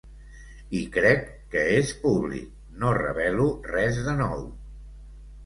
I crec que és públic, no revelo res de nou.